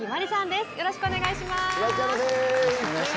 よろしくお願いします。